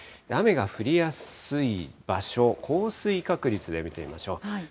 雨が降りやすい場所、降水確率で見てみましょう。